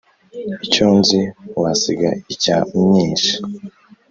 Icyonzi wasiga icya myinshi